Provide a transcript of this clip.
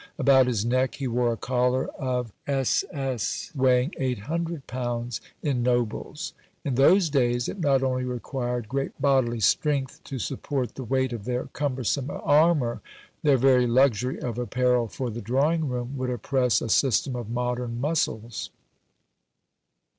About his neck he wore a collar of SS, weighing eight hundred pounds in nobles. In those days it not only required great bodily strength to support the weight of their cumbersome armour; their very luxury of apparel for the drawing room would oppress a system of modern muscles."